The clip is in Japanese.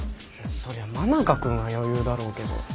そりゃ真中君は余裕だろうけど。